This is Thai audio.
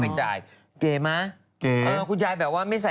สนุนโดยดีที่สุดคือการให้ไม่สิ้นสุด